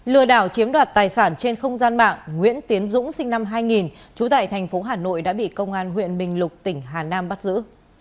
lừa đảo chiếm đoạt tài sản trên không gian mạng nguyễn tiến dũng sinh năm hai nghìn trú tại thành phố hà nội đã bị công an huyện bình lục tỉnh hà nam bắt giữ